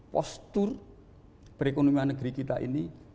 postur perekonomian negeri kita ini